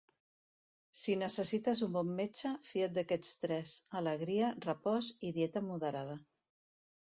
Si necessites un bon metge, fia't d'aquests tres: alegria, repòs i dieta moderada.